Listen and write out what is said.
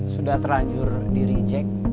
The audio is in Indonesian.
sudah terlanjur di reject